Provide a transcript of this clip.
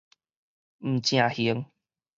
毋成形